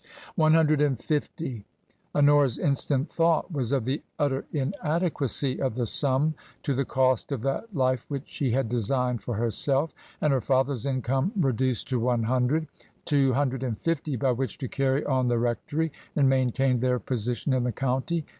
One hundred and fifty! Honora's instant thought was of the utter inadequacy of the sum to the cost of that life which she had designed for herself. And her father's income reduced to one hundred ! Two hundred and fifty by which to carry on the rectory and maintain their position in the county!